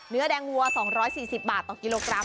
เนื้อแดงวัว๒๔๐บาทต่อกิโลกรัม